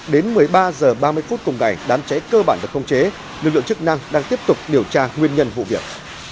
đến một mươi ba h ba mươi phút cùng ngày đám cháy cơ bản được không chế lực lượng chức năng đang tiếp tục điều tra nguyên nhân vụ việc